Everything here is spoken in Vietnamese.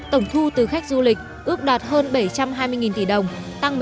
tổng thu từ khách du lịch ước đạt hơn bảy trăm hai mươi tỷ đồng tăng một mươi chín